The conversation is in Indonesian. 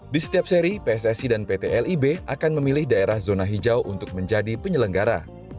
di setiap seri pssi dan pt lib akan memilih daerah zona hijau untuk menjadi penyelenggara